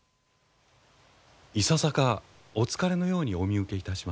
いささかお疲れのようにお見受けいたします。